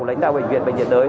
lãnh đạo bệnh viện bệnh viện đới